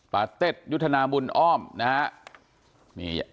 ปัตเตศยุธนามุนอ้อมนะฮะ